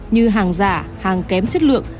như hàng giả hàng kém chất lượng